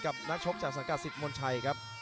นักชกจากสังกัดสิทธิ์มนชัยครับ